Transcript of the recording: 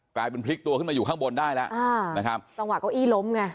กลายเป็นพลิกตัวขึ้นมาอยู่ข้างบนได้ละอ่าจังหวะเก้าอี้ล้มไง